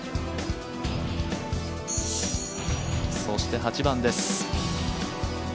そして８番です。